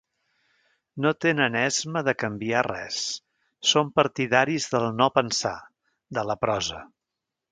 No tenen esma de canviar res, són partidaris del no pensar, de la prosa.